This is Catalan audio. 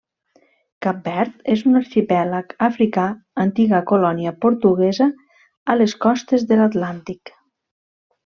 Cap Verd és un arxipèlag africà, antiga colònia portuguesa a les costes de l'Atlàntic.